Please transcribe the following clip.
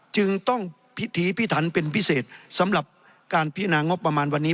จึงต้องพิถีพิถันเป็นพิเศษสำหรับการพินางบประมาณวันนี้